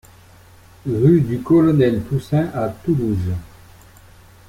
Rue du Colonel Toussaint à Toulouse